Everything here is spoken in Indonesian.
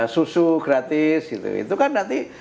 susu gratis gitu itu kan nanti